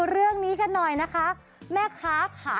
เห็นมีคิ้วด้วยนะ